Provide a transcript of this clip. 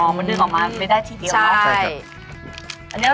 นิดหนึ่งวิวได้ที่เดียว